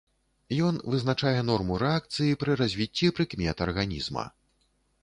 Ён вызначае норму рэакцыі пры развіцці прыкмет арганізма.